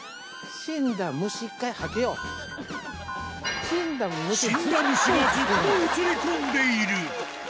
死んだ虫がずっと写り込んでいる。